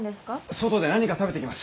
外で何か食べてきます。